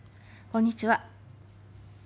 こんにちは。